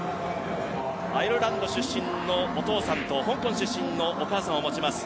アイルランド出身のお父さんと香港出身のお母さんを持ちます。